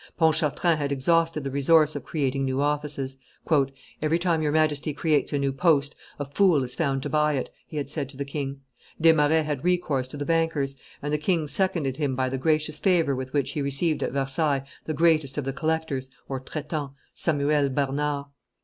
Pontchartrain had exhausted the resource of creating new offices. "Every time your Majesty creates a new post, a fool is found to buy it," he had said to the king. Desmarets had recourse to the bankers; and the king seconded him by the gracious favor with which he received at Versailles the greatest of the collectors (traitants), Samuel Bernard.